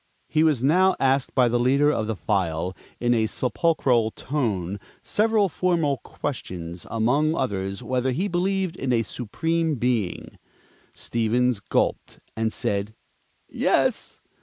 He was now asked by the leader of the file, in a sepulchral tone, several formal questions, among others whether he believed in a Supreme Being. Stevens gulped, and said "Yes."